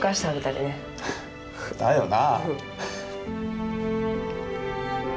だよな。